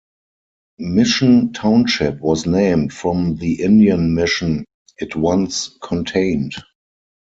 Mission Township was named from the Indian mission it once contained.